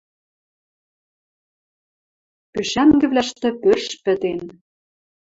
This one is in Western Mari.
Пушӓнгӓвлӓштӹ пӧрш пӹтен.